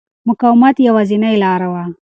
مقاومت مې یوازینۍ لاره وه.